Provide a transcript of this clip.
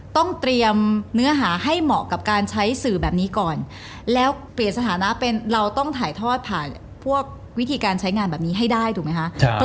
ต้องเตรียมเนื้อหาให้เหมาะกับการใช้สื่อแบบนี้ก่อนแล้วเปลี่ยนสถานะเป็นเราต้องถ่ายทอดผ่านพวกวิธีการใช้งานแบบนี้ให้ได้ถูกไหมคะ